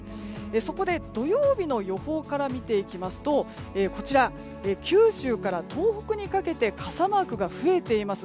そこで、土曜日の予報から見ていきますと九州から東北にかけて傘マークが増えています。